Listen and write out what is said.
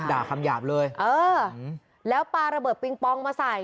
ด่าคำหยาบเลยเออแล้วปลาระเบิดปิงปองมาใส่